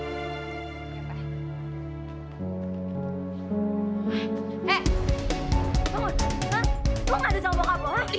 lu ngajut sama bokapu